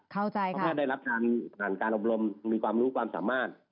เพราะการได้รับการอบรมมีความรู้ความสามารถ